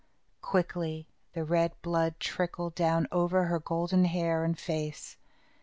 Quickly the red blood trickled down over her golden hair and face.